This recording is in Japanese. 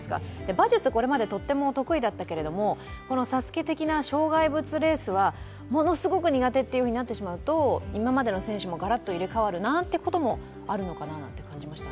馬術は得意だったけれど「ＳＡＳＵＫＥ」的な障害物レースはものすごい苦手となってしまうと今までの選手もがらっと入れ替わるなんてこともあるのかなと思いました。